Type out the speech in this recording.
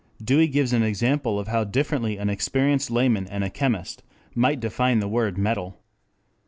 ] Dewey gives an example of how differently an experienced layman and a chemist might define the word metal.